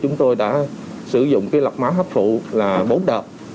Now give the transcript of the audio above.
chúng tôi đã sử dụng cái lọc máu hấp phụ là bốn đợt